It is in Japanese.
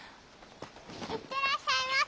行ってらっしゃいませ！